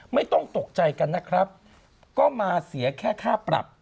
ไม่ต้องตกใจกันนะครับก็มาเสียแค่ค่าปรับ